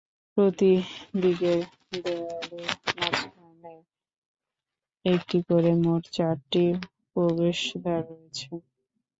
প্রতি দিকের দেয়ালের মাঝখানে একটি করে মোট চারটি প্রবেশদ্বার রয়েছে।